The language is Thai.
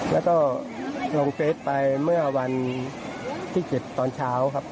แล้วก็ลงเฟสไปเมื่อวันที่๗ตอนเช้าครับ